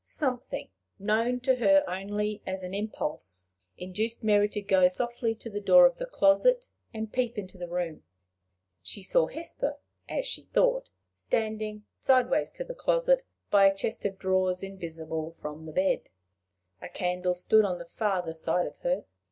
Something, known to her only as an impulse, induced Mary to go softly to the door of the closet, and peep into the room. She saw Hesper, as she thought, standing sidewise to the closet by a chest of drawers invisible from the bed. A candle stood on the farther side of her.